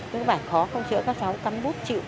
nếu bài khó không chữa các cháu cắm bút chịu